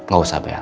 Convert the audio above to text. gak usah bel